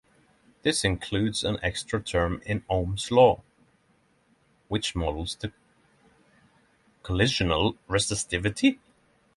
This includes an extra term in Ohm's Law which models the collisional resistivity.